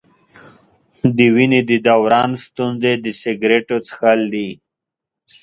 د وینې د دوران ستونزې د سګرټو څښل دي.